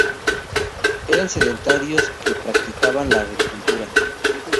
Eran sedentarios que practicaban la agricultura.